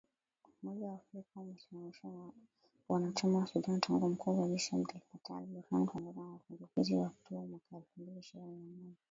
Umoja wa Afrika, umesimamisha uanachama wa Sudan tangu mkuu wa jeshi Abdel Fattah al-Burhan kuongoza mapinduzi ya Oktoba mwaka elfu mbili ishirini na moja.